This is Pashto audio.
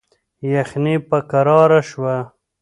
یخني په کراره شوه.